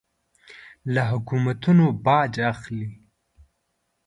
له حکومتونو باج اخلي.